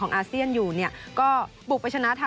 ก็จะเมื่อวันนี้ตอนหลังจดเกม